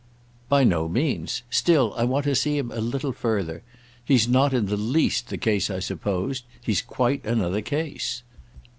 "By no means. Still, I want to see him a little further. He's not in the least the case I supposed, he's quite another case.